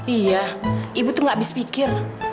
iya ibu tuh gak habis pikir